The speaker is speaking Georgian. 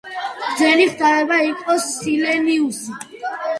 ბრძენი ღვთაება იყო სილენოსი.